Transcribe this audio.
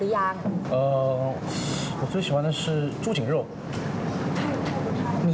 อืมรู้ไหมว่าดังมากเลยตอนนี้